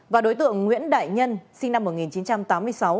và đối tượng nguyễn đại nhân sinh năm một nghìn chín trăm tám mươi sáu